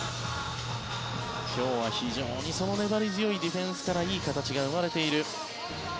今日は非常にその粘り強いディフェンスからいい形が生まれている。